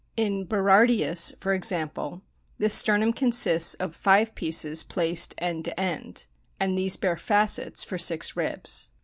In Berardius, for example, the sternum consists of five pieces placed end to end, and these bear facets for six ribs.